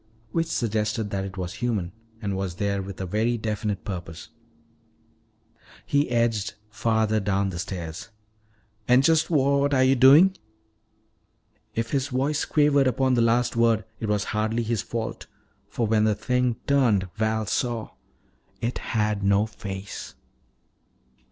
Which suggested that it was human and was there with a very definite purpose. He edged farther down the stairs. "And just what are you doing?" If his voice quavered upon the last word, it was hardly his fault. For when the thing turned, Val saw It had no face!